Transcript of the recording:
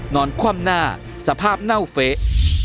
คว่ำหน้าสภาพเน่าเฟะ